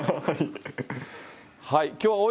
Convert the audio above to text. はい。